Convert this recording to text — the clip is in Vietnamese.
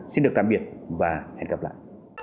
xin chào và hẹn gặp lại